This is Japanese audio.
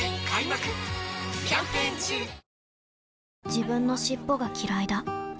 自分の尻尾がきらいだ